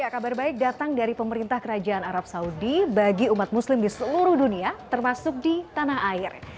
kabar baik datang dari pemerintah kerajaan arab saudi bagi umat muslim di seluruh dunia termasuk di tanah air